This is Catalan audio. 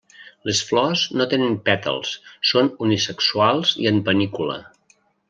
Les flors no tenen pètals, són unisexuals i en panícula.